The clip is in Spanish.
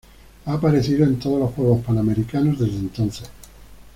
Ha aparecido en todos los Juegos Panamericanos desde entonces.